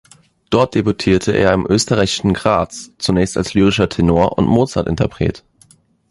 Dort debütierte er im österreichischen Graz, zunächst als Lyrischer Tenor und Mozart-Interpret.